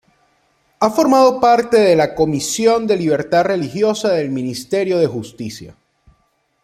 Ha formado parte de la Comisión de Libertad Religiosa del Ministerio de Justicia.